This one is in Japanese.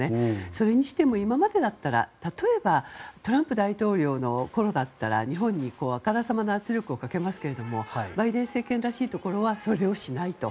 それにしても今までだったら例えばトランプ大統領のころだったら日本にあからさまな圧力をかけますけどバイデン政権らしいところはそれをしないと。